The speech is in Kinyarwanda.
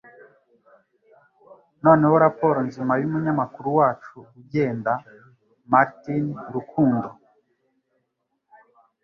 Noneho raporo nzima yumunyamakuru wacu ugenda Martin Rukundo